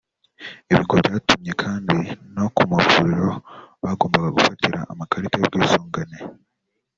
Ibi ngo byatumye kandi no ku mavuriro bagombaga gufatira amakarita y’ubu bwisungane